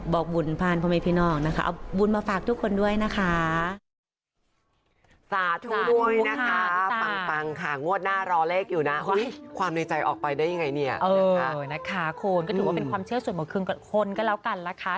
บอกบุญพรานพหมายผู้น้องนะคะ